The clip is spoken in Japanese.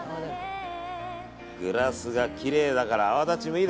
グラスがきれいだから泡立ちもいい！